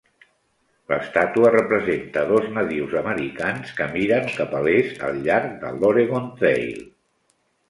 L'estàtua representa dos nadius americans que miren cap a l'est al llarg de l'Oregon Trail.